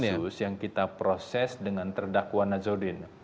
itu adalah kasus kasus yang kita proses dengan terdakwa nazaruddin